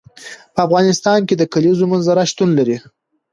په افغانستان کې د کلیزو منظره شتون لري.